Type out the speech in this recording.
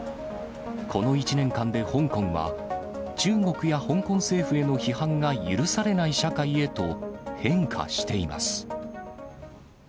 この１年間で香港は、中国や香港政府への批判が許されない社会へと変化しています。